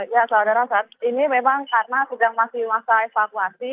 ya saudara saat ini memang karena sedang masih masa evakuasi